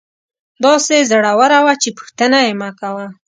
داسې زړوره وه چې پوښتنه یې مکوه.